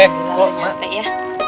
lo mau ke tempat ini ya